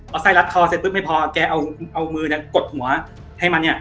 เอาไส้รัดคอเสร็จปุ๊บไม่พอแกเอามือเนี่ยกดหัวให้มันเนี่ย